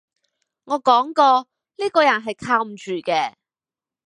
我講過呢個人係靠唔住嘅